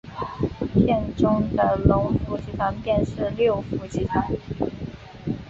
片中的龙福集团便是六福集团。